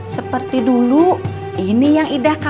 seperti dulu ini yang ida harapkan